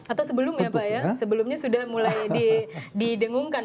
atau sebelumnya pak ya sebelumnya sudah mulai didengungkan